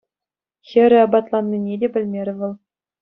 Хӗрӗ аппатланнине те пӗлмерӗ вӑл.